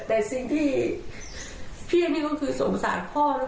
แต่สิ่งที่พี่นี่ก็คือสงสารพ่อ